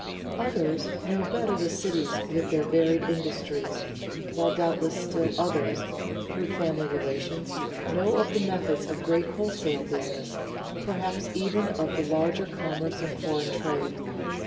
Others know better the cities with their varied industries; while doubtless still others, through family relations, know of the methods of great wholesale business, perhaps even of the larger commerce and foreign trade.